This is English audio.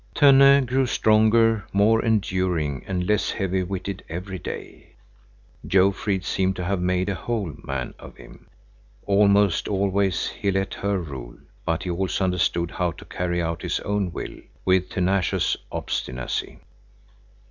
Tönne grew stronger, more enduring and less heavy witted every day. Jofrid seemed to have made a whole man of him. Almost always he let her rule, but he also understood how to carry out his own will with tenacious obstinacy.